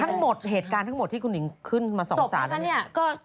ทั้งหมดเหตุการณ์ที่คุณหญิงขึ้นมาสองสารเลย